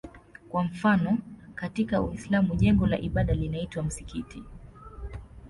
Kwa mfano katika Uislamu jengo la ibada linaitwa msikiti.